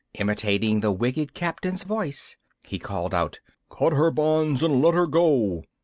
Imitating the wicked Captain's voice he called out: "Cut her bonds and let her go!"